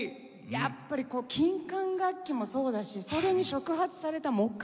やっぱり金管楽器もそうだしそれに触発された木管楽器。